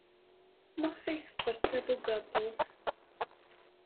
Maɣef ay teqqel d tabugaṭut?